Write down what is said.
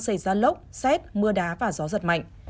xảy ra lốc xét mưa đá và gió giật mạnh